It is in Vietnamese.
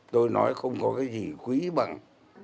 tôi nói không có cái gì quý bằng